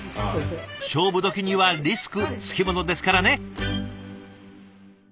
勝負時にはリスク付き物ですからね。